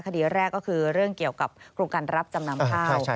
คดีแรกก็คือเรื่องเกี่ยวกับโครงการรับจำนำข้าว